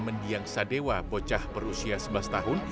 mendiang sadewa bocah berusia sebelas tahun